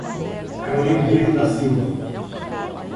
Caroline Brito da Silva